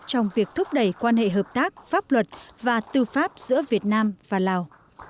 trong việc thúc đẩy quan hệ hợp tác pháp luật và tư pháp giữa việt nam và lào